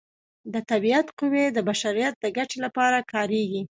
د طبیعت قوې د بشریت د ګټې لپاره کاریږي.